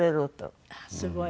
ああすごい。